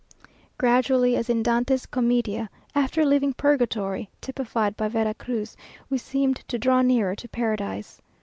Gradually, as in Dante's Commedia, after leaving Purgatory, typified by Vera Cruz, we seemed to draw nearer to Paradise.